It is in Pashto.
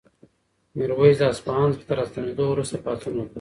میرویس له اصفهان څخه تر راستنېدلو وروسته پاڅون وکړ.